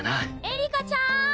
エリカちゃーん！